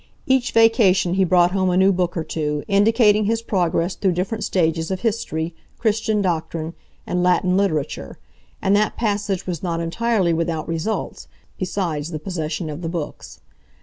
Each vacation he brought home a new book or two, indicating his progress through different stages of history, Christian doctrine, and Latin literature; and that passage was not entirely without results, besides the possession of the books.